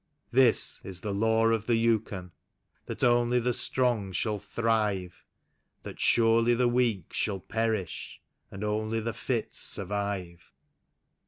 This is the Law of the Yukon, that only the Strong shall thrive; 'That surely the Weak shall perisli, and only the Fit survive.